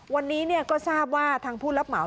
วันนี้ก็ทราบว่าทางผู้รับเหมา